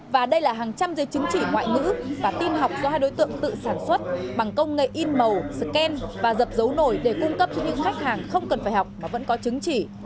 và đây là hàng trăm dây chứng chỉ ngoại ngữ và tin học do hai đối tượng tự sản xuất bằng công nghệ in màu scan và dập dấu nổi để cung cấp cho những khách hàng không cần phải học và vẫn có chứng chỉ